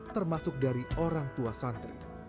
termasuk dari orang tua santri